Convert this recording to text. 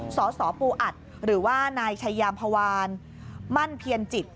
สสปูอัดหรือว่านายชายามพวานมั่นเพียรจิต